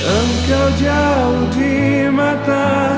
engkau jauh di mata